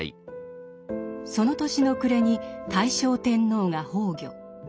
その年の暮れに大正天皇が崩御。